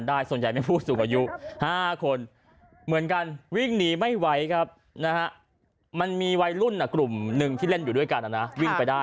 อ้าวไปล้มป่ะ